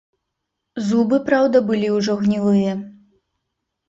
Зубы, праўда, былі ўжо гнілыя.